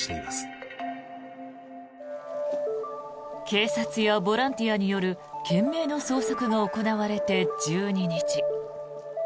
警察やボランティアによる懸命の捜索が行われて１２日。